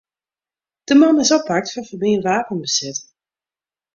De man is oppakt foar ferbean wapenbesit.